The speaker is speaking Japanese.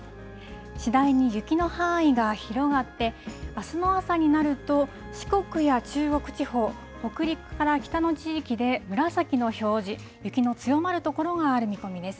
次第に雪の範囲が広がって、あすの朝になると、四国や中国地方、北陸から北の地域で、紫の表示、雪の強まる所がある見込みです。